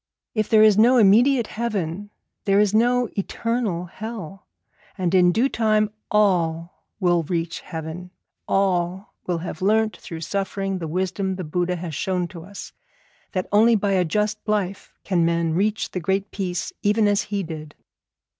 If there is no immediate heaven there is no eternal hell, and in due time all will reach heaven; all will have learnt, through suffering, the wisdom the Buddha has shown to us, that only by a just life can men reach the Great Peace even as he did.